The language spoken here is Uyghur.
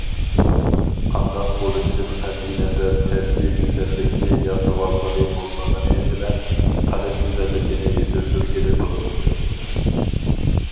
قانداق بولۇشىدىن قەتئىينەزەر، تەبىئىي گۈزەللىكنى ياسىۋالغىلى بولمىغىنى بىلەن، قەلب گۈزەللىكىنى يېتىلدۈرگىلى بولىدۇ.